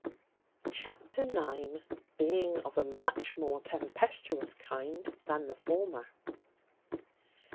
Chapter ix. Being of a much more tempestuous kind than the former.